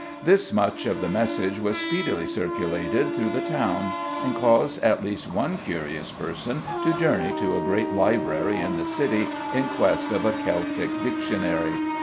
This much of the message was speedily circulated through the town, and caused at least one curious person to journey to a great library in the city in quest of a Celtic dictionary.